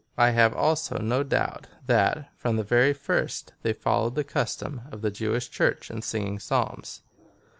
^ I have also no doubt, that, from the very first, they followed the custom of the Jewish Church in singing Psalms, i 16.